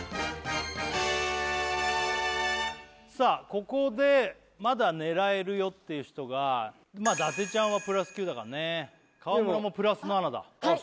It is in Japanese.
ここでまだ狙えるよっていう人がまあ伊達ちゃんは＋９だからね川村も＋７だああ